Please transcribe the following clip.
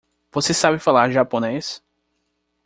Você sabe falar japonês?